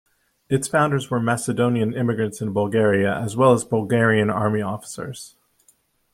Its founders were Macedonian immigrants in Bulgaria as well as Bulgarian army officers.